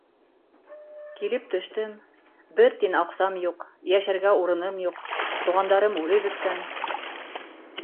Килеп төштөм, бер тин аҡсам юҡ, йәшәргә урыным юҡ, туғандарым үлеп бөткән...